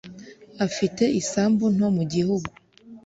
afite isambu nto mu gihugu.